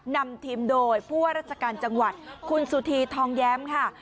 นำทีมโดยผู้ว่าราชการจังหวัดคุณสุธีทองแย้มค่ะ